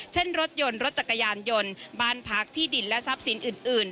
เช่นรถยนต์รถจักรยานยนต์บ้านพักที่ดินและทรัพย์สินอื่น